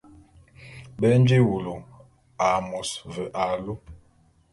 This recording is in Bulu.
Be nji wulu a môs ve alu.